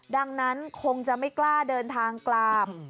ดังนั้นคงจะไม่กล้าเดินทางกลับ